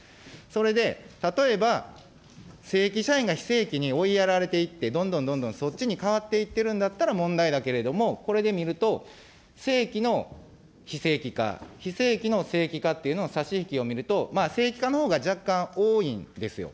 それで例えば、正規社員が非正規に追いやられていって、どんどんどんどんそっちに変わっていってるんだったら問題だけれども、これで見ると、正規の非正規化、非正規の正規化というのの差し引きを見ると、正規化のほうが若干多いんですよ。